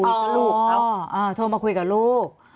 อ้าเค้าโทรมาคุยกับลูก